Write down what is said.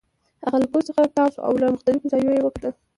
هغه له کوچ څخه تاو شو او له مختلفو زاویو یې وکتل